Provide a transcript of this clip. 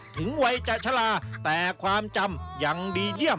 ถึงวัยจะชะลาแต่ความจำยังดีเยี่ยม